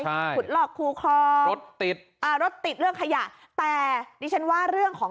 ใช่ขุดหลอกคูคอรถติดอ่ารถติดเรื่องขยะแต่ดิฉันว่าเรื่องของ